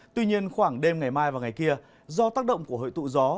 tuy nhiên khoảng đêm ngày mai và ngày kia do tác động của hội tụ gió